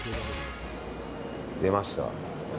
出ました。